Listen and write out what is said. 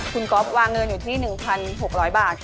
คุณก๊อฟวางเงินอยู่ที่๑๖๐๐บาท